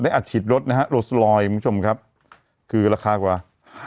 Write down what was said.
ด้วยอัจฉีดรถนะฮะโรสลอยเพื่อนประชุมครับคือราคากว่า๕